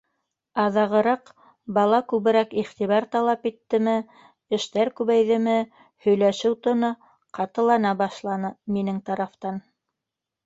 Аҙағыраҡ, бала күберәк иғтибар талап иттеме, эштәр күбәйҙеме, һөйләшеү тоны ҡатылана башланы, минең тарафтан.